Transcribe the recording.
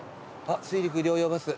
あっ水陸両用バス。